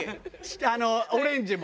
あのオレンジも。